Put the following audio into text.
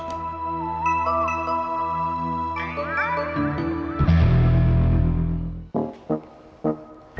kenapa pak karena kita masih cukup